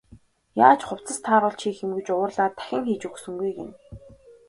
Яаж хувцас тааруулж хийх юм гэж уурлаад дахин хийж өгсөнгүй гэнэ.